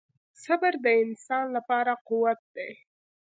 • صبر د انسان لپاره قوت دی.